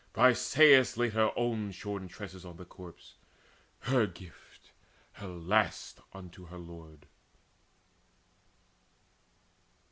Briseis laid Her own shorn tresses on the corpse, her gift, Her last, unto her lord.